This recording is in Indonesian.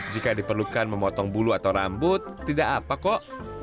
jika diperlukan memotong bulu atau rambut tidak apa kok